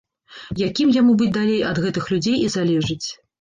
Якім яму быць далей, ад гэтых людзей і залежыць.